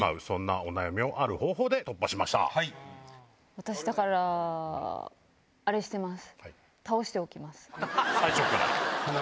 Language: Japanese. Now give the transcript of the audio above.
私だからあれしてます。